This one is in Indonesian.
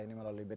ini melalui bts